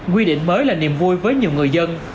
quy định mới là niềm vui với nhiều người dân